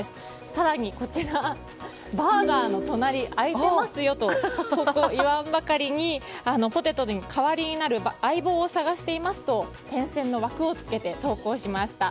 更に、バーガーの隣空いてますよと言わんばかりにポテトの代わりになる相棒を探していますと点線の枠をつけて投稿しました。